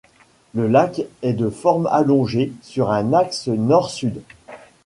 Le lac est de forme allongée sur un axe nord-sud.